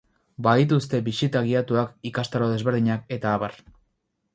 Badituzte bisita gidatuak, ikastaro ezberdinak eta abar.